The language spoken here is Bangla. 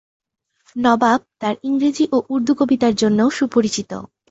নবাব তার ইংরেজি ও উর্দু কবিতার জন্যও সুপরিচিত।